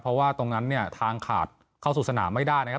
เพราะว่าตรงนั้นเนี่ยทางขาดเข้าสู่สนามไม่ได้นะครับ